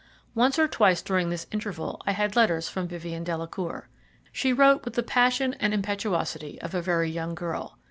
Once or twice during this interval I had letters from Vivien Delacour. She wrote with the passion and impetuosity of a very young girl.